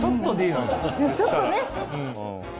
ちょっとね。